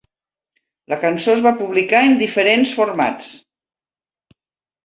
La cançó es va publicar en diferents formats.